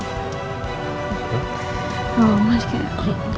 melakukan sesuatu yang lebih baik